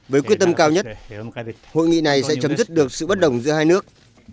với quyết tâm cao nhất hội nghị này sẽ chấm dứt được sự bất đồng giữa hai nước